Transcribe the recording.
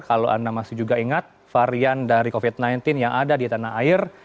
kalau anda masih juga ingat varian dari covid sembilan belas yang ada di tanah air